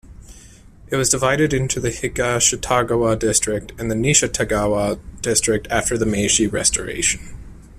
It was divided into Higashitagawa District and Nishitagawa District after the Meiji restoration.